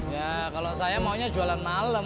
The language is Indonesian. ya kalau saya maunya jualan malam